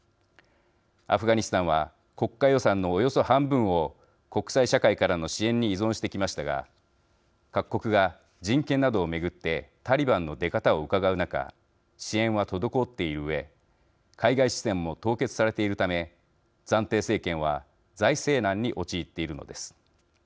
アフガニスタンは国家予算のおよそ半分を国際社会からの支援に依存してきましたが各国が人権などを巡ってタリバンの出方をうかがう中支援は滞っているうえ海外資産も凍結されているため暫定政権は財政難に陥っているのです。